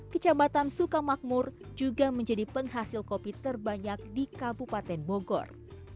kecamatan sukamakmur juga menjadi penghasil kopi terbanyak di kabupaten bogor